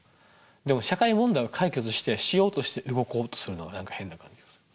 でも社会問題を解決してしようとして動こうとするのは何か変な感じがする。